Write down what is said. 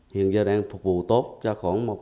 hiện giờ đang phục vụ tất cả các nước